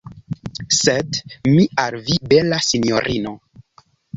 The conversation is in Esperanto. Sed mi al vi, bela sinjorino.